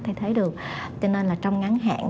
thay thế được cho nên là trong ngắn hạn